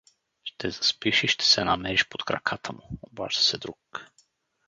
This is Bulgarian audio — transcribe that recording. — Ще заспиш и ще се намериш под краката му — обажда се друг.